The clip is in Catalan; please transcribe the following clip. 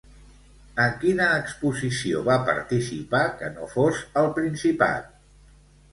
En quina exposició va participar que no fos al Principat?